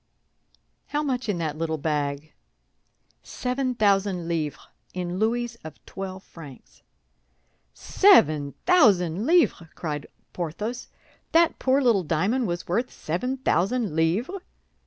"How much in that little bag?" "Seven thousand livres, in louis of twelve francs." "Seven thousand livres!" cried Porthos. "That poor little diamond was worth seven thousand livres?"